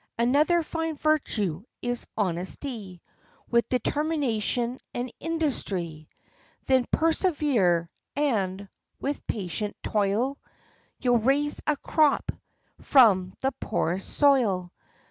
Another fine virtue is honesty, With determination and industry. Then persevere, and, with patient toil, You'll raise a crop from the poorest soil.